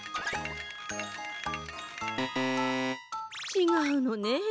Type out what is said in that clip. ちがうのね。